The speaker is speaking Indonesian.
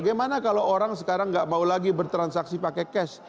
karena kalau orang sekarang nggak mau lagi bertransaksi pakai cash